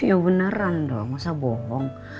iya beneran dong tidak bohong